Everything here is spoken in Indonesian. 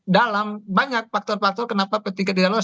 dalam banyak faktor faktor kenapa p tiga tidak lolos